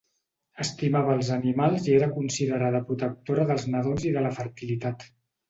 Estimava els animals i era considerada protectora dels nadons i de la fertilitat.